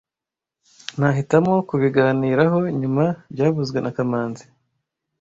Nahitamo kubiganiraho nyuma byavuzwe na kamanzi